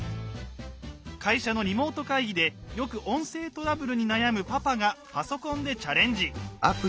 会社のリモート会議でよく音声トラブルに悩むパパがパソコンでチャレンジ。